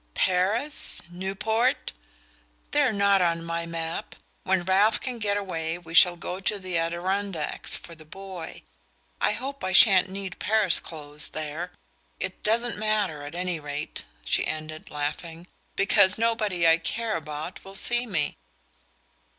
"Paris? Newport? They're not on my map! When Ralph can get away we shall go to the Adirondacks for the boy. I hope I shan't need Paris clothes there! It doesn't matter, at any rate," she ended, laughing, "because nobody I care about will see me."